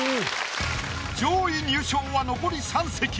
上位入賞は残り３席。